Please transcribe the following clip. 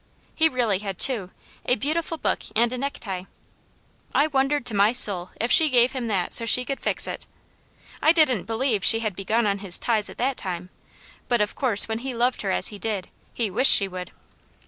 He really had two, a beautiful book and a necktie. I wondered to my soul if she gave him that, so she could fix it! I didn't believe she had begun on his ties at that time; but of course when he loved her as he did, he wished she would.